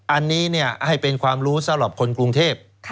อันนี้ให้เป็นความรู้สำหรับคนกรุงเทพ